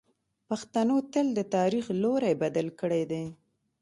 پښتنو تل د تاریخ لوری بدل کړی دی.